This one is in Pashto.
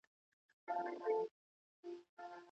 که زده کوونکی خپل نوټ ولولي نو ښه پوهیږي.